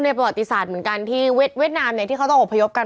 ประวัติศาสตร์เหมือนกันที่เวียดนามเนี่ยที่เขาต้องอบพยพกัน